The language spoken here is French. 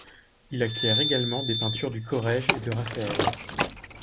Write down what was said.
Il acquiert également des peintures du Corrège et de Raphäel.